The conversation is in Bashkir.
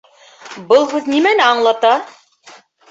Был һүҙ нимәне аңлата?